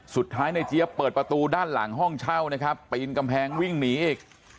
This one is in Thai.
สุดท้ายในเจี๊ยบเปิดประตูด้านหลังห้องเช่านะครับปีนกำแพงวิ่งหนีอีก